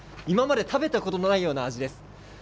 今まで食べたことのないような味です。